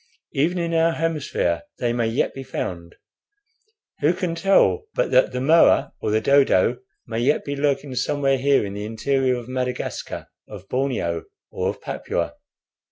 Even in our hemisphere they may yet be found. Who can tell but that the moa or the dodo may yet be lurking somewhere here in the interior of Madagascar, of Borneo, or of Papua?"